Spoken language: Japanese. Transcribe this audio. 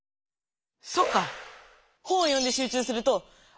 そっか！